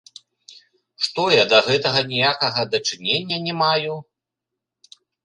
Што я да гэтага ніякага дачынення не маю?